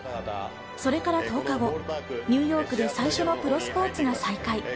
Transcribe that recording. それから１０日後、ニューヨークで最初のプロスポーツが再開。